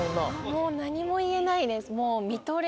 もう何も言えないです。